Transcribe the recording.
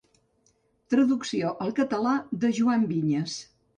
Traducció al català de Joan Vinyes.